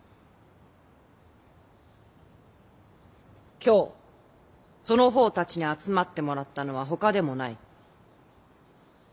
今日その方たちに集まってもらったのはほかでもない。